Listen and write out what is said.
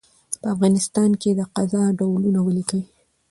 په افغانستان کي د قضاء ډولونه ولیکئ؟